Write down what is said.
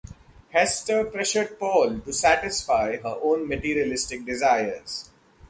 Hester pressures Paul to satisfy her own materialistic desires.